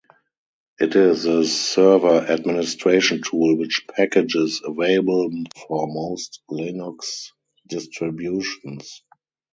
It is a server administration tool, with packages available for most Linux distributions.